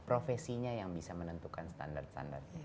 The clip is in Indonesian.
profesinya yang bisa menentukan standar standar